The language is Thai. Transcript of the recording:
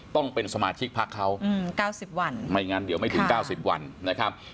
ต้องเป็นสมาชิกพักเขา๙๐วันไม่งั้นเดี๋ยวไม่ถึง๙๐วันนะครับ